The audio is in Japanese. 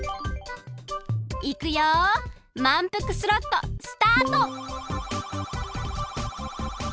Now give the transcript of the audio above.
いくよまんぷくスロットスタート！